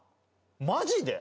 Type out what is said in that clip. マジで？